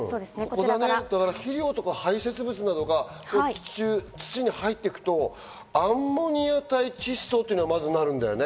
肥料とか排せつ物などが土に入っていくとアンモニア態窒素ってまずなるんだよね。